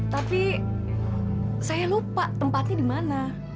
tapi saya lupa tempatnya di mana